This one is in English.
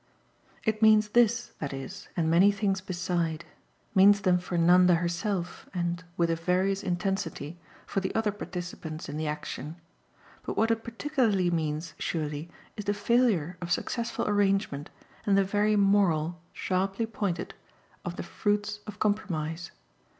It means this, that is, and many things beside means them for Nanda herself and, with a various intensity, for the other participants in the action; but what it particularly means, surely, is the failure of successful arrangement and the very moral, sharply pointed, of the fruits of compromise.